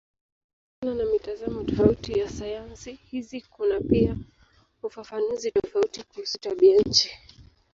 Kutokana na mitazamo tofauti ya sayansi hizi kuna pia ufafanuzi tofauti kuhusu tabianchi.